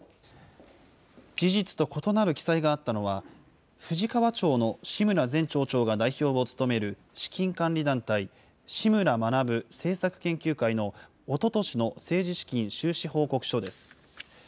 事実と異なる記載があったのは、富士川町の志村前町長が代表を務める資金管理団体、志村学政策研究会のおととしの政治資金収支報告書です。